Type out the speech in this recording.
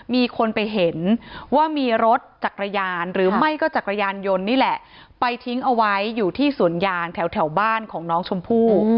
มีคนไปเห็นว่ามีรถจักรยานหรือไม่ก็จักรยานยนต์นี่แหละไปทิ้งเอาไว้อยู่ที่สวนยางแถวบ้านของน้องชมพู่